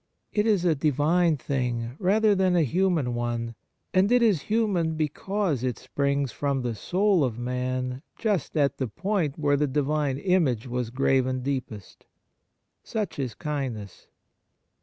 It is a Divine thing rather than a human one, and it is human because it springs from the soul of man just at the point where the Divine image was graven deepest. Such is kindness.